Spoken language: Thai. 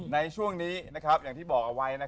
ในช่วงนี้อย่างที่บอกเอาไว้